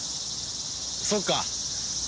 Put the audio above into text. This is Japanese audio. そうか。